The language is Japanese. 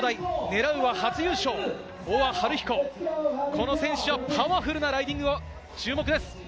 狙うは初優勝、大和晴彦、この選手はパワフルなライディングに注目です。